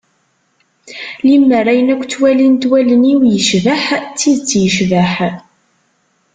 Limmer ayen akk ttwalint wallen-iw yecbeḥ d tidet yecbeḥ.